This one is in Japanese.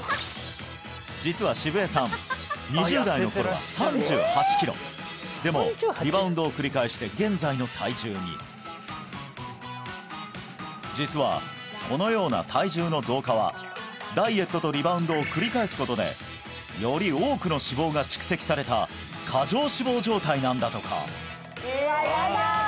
実は澁江さん２０代の頃は３８キロでもリバウンドを繰り返して現在の体重に実はこのような体重の増加はダイエットとリバウンドを繰り返すことでより多くの脂肪が蓄積された過剰脂肪状態なんだとか